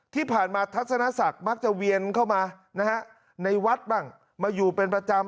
ที่ผ่านมาทัศนศักดิ์มักจะเวียนเข้ามานะฮะในวัดบ้างมาอยู่เป็นประจำ